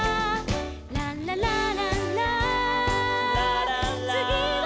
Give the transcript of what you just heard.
「ラララララ」「ラララ」「つぎは」